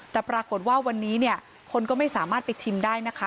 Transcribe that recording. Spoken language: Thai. แต่ปรากฏว่าวันนี้เนี่ยคนก็ไม่สามารถไปชิมได้นะคะ